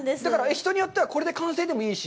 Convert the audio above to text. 人によっては、これで完成でもいいし。